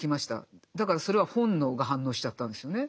だからそれは本能が反応しちゃったんですよね。